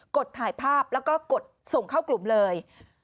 ดถ่ายภาพแล้วก็กดส่งเข้ากลุ่มเลย